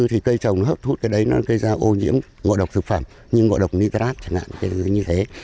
thì cây trồng nó hấp thụt cái đấy nó gây ra ô nhiễm ngọ độc thực phẩm như ngọ độc nitrat chẳng hạn như thế